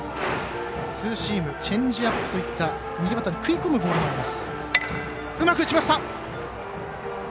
ツーシームチェンジアップといった右バッターに食い込むボールもあります。